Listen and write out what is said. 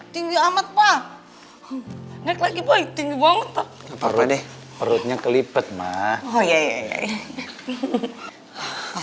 tinggi amat pak naik lagi boy tinggi banget perutnya kelipet mah